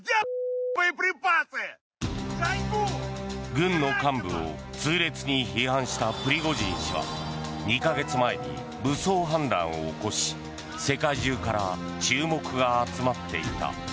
軍の幹部を痛烈に批判したプリゴジン氏は２か月前に武装反乱を起こし世界中から注目が集まっていた。